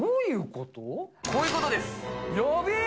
こういうことです。